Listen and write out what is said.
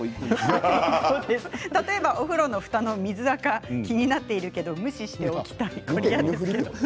例えばお風呂のふたの水あか気になっているけど無視しておきたい。